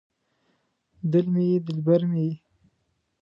دل مې یې دلبر مې یې